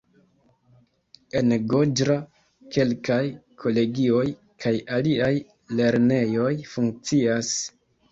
En Goĝra kelkaj kolegioj kaj aliaj lernejoj funkcias.